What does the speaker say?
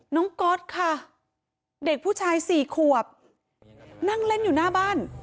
ก๊อตค่ะเด็กผู้ชายสี่ขวบนั่งเล่นอยู่หน้าบ้าน